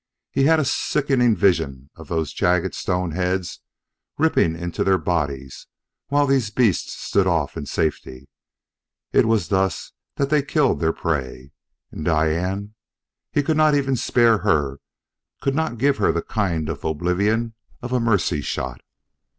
He had a sickening vision of those jagged stone heads ripping into their bodies while these beasts stood off in safety. It was thus that they killed their prey. And Diane he could not even spare her could not give her the kind oblivion of a mercy shot!